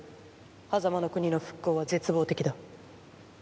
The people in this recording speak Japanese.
狭間の国の復興は絶望的だ。